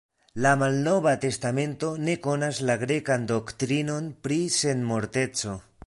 La Malnova Testamento ne konas la grekan doktrinon pri senmorteco.